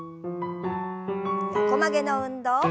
横曲げの運動。